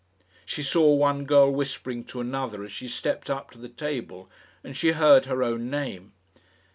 She saw one girl whispering to another as she stepped up to the table, and she heard her own name.